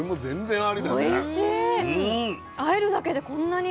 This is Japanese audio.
あえるだけでこんなに。